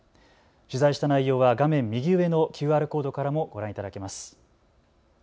取材した内容は画面右上のＱＲコードからもご覧いただけます。